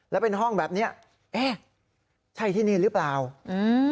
แล้วเป็นห้องแบบเนี้ยเอ๊ะใช่ที่นี่หรือเปล่าอืม